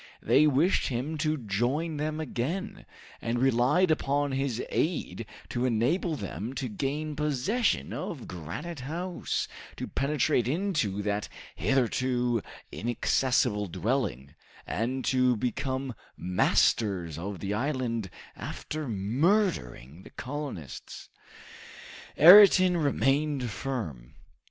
They wished him to join them again, and relied upon his aid to enable them to gain possession of Granite House, to penetrate into that hitherto inaccessible dwelling, and to become masters of the island, after murdering the colonists! Ayrton remained firm.